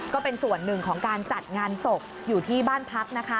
ก็เป็นส่วนหนึ่งของการจัดงานศพอยู่ที่บ้านพักนะคะ